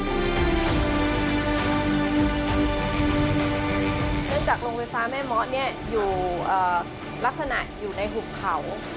เนื่องจากโรงไฟฟ้าแม่เมาะอยู่ลักษณะอยู่ในหุบเขา